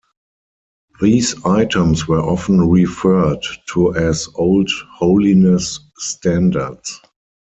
These items were often referred to as old holiness standards.